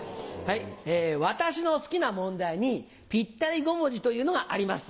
「私の好きな問題に『ぴったり５文字』というのがあります。